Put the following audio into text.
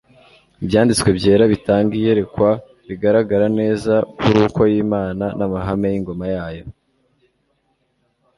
Ibyanditswe byera bitanga iyerekwa rigaragara neza ku ruko y'Imana n'amahame y'ingoma yayo.